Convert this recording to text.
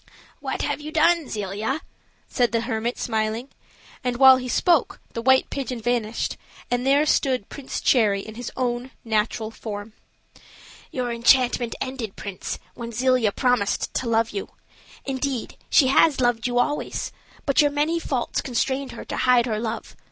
"What have you done, Zelia?" said the hermit, smiling; and while he spoke the white pigeon vanished, and there stood Prince Cherry in his own natural form. "Your enchantment ended, prince, when Zelia promised to love you. Indeed, she has loved you always, but your many faults constrained her to hide her love.